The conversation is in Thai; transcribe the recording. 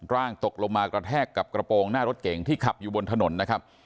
ร่างตกลงมากระแทกกับกระโปรงหน้ารถเก่งที่ขับอยู่บนถนนนะครับ